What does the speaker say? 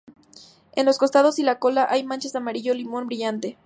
En los costados y la cola hay manchas amarillo limón brillante.